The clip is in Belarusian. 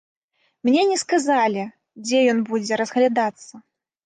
Мне не сказалі, дзе ён будзе разглядацца.